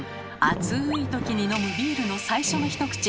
暑い時に飲むビールの最初の１口。